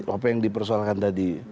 apa yang dipersoalkan tadi